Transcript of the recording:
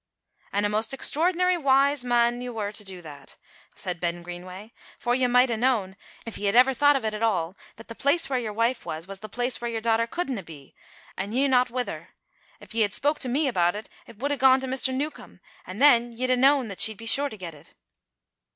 "An' a maist extraordinary wise mon ye were to do that," said Ben Greenway, "for ye might hae known, if ye had ever thought o' it at all, that the place where your wife was, was the place where your daughter couldna be, an' ye no' wi' her. If ye had spoke to me about it, it would hae gone to Mr. Newcombe, an' then ye'd hae known that she'd be sure to get it."